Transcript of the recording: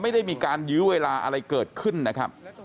ไม่ได้มีการยื้อเวลาอะไรเกิดขึ้นนะครับ